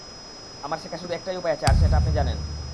আমার শেখার শুধু একটাই উপায় আছে আর আপনি এটা জানেন।